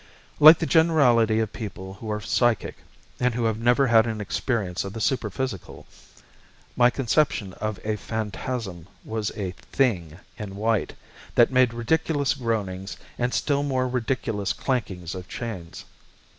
Like the generality of people who are psychic and who have never had an experience of the superphysical, my conception of a phantasm was a "thing" in white that made ridiculous groanings and still more ridiculous clankings of chains.